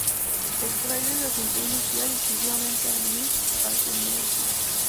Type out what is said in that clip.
El tráiler se adjuntó inicial y exclusivamente a "Night at the Museum".